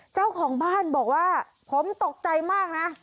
เจ้าของบ้านบอกว่าผมตกใจมากนะ